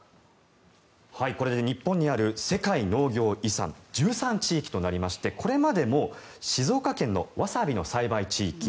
これで日本にある世界農業遺産１３地域となりましてこれまでも静岡県のワサビの栽培地域